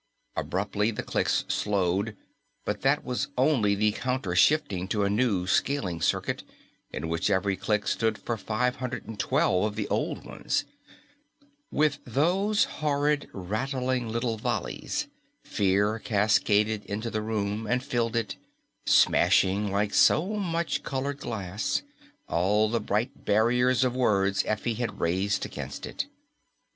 Abruptly the clicks slowed, but that was only the counter shifting to a new scaling circuit, in which each click stood for 512 of the old ones. With those horrid, rattling little volleys, fear cascaded into the room and filled it, smashing like so much colored glass all the bright barriers of words Effie had raised against it.